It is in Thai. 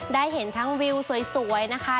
ได้เห็นทั้งวิวสวยนะคะ